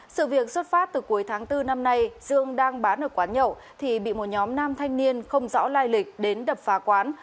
sự việc xuất phát từ cuối tháng bốn năm nay dương đang bán ở quán nhậu thì bị một nhóm nam thanh niên không rõ lai lịch đến đập phá quán